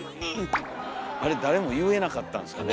あれ誰も言えなかったんですかね。